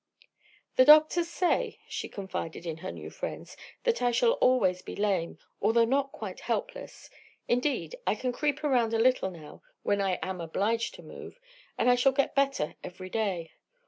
"The doctors say," she confided to her new friends, "that I shall always be lame, although not quite helpless. Indeed, I can creep around a little now, when I am obliged to move, and I shall get better every day.